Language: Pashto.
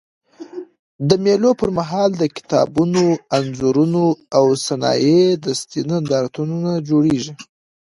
د مېلو پر مهال د کتابونو، انځورونو او صنایع دستي نندارتونونه جوړېږي.